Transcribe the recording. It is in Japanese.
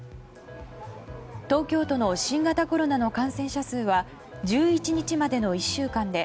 東京都の新型コロナの感染者数は１１日までの１週間で